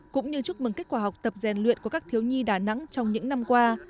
cũng như chúc mừng kết quả học tập rèn luyện của các thiếu nhi đà nẵng trong những năm qua